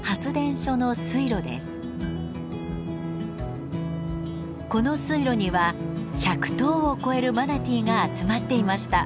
この水路には１００頭を超えるマナティーが集まっていました。